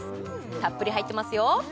たっぷり入ってますよ